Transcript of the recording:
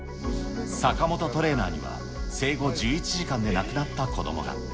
坂本トレーナーには、生後１１時間で亡くなった子どもが。